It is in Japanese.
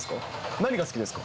何が好きですか。